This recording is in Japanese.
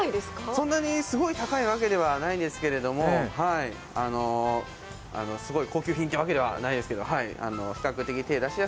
そんなにすごい高いわけではないんですけれども、すごい高級品というわけではないです。